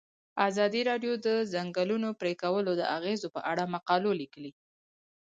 ازادي راډیو د د ځنګلونو پرېکول د اغیزو په اړه مقالو لیکلي.